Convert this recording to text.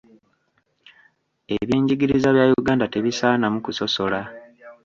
Ebyenjigiriza bya Uganda tebisaanamu kusosola.